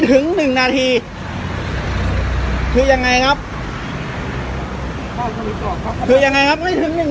ถึงหนึ่งนาทีคือยังไงครับคือยังไงครับไม่ถึงหนึ่ง